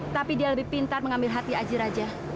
tapi dia lebih pintar mengambil hati aji raja